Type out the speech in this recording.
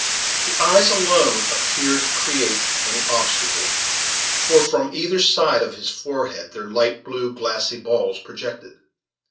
The eyes alone appeared to create any obstacle, for from either side of his forehead their light blue, glassy balls projected.